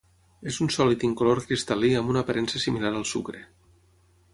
És un sòlid incolor cristal·lí amb una aparença similar al sucre.